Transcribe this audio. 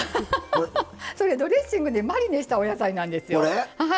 それ、ドレッシングでマリネしたお野菜なんですよ。